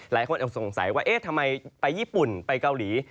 หลายคนสงสัยว่าเอ๊ะทำไมไปญี่ปุ่นไปเกาหลี